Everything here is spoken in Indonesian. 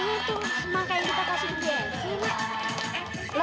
mangka yang kita kasih di biasa